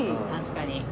確かに。